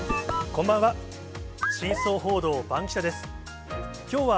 こんばんは。